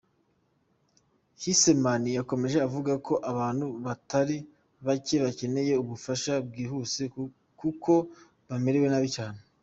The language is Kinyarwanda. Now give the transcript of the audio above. Kieserman yakomeje avuga ko abantu batari bake bakeneye ubufasha bwihuse kuko bamerewe nabi cyane.